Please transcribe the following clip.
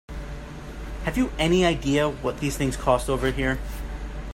Have you any idea what these things cost over here?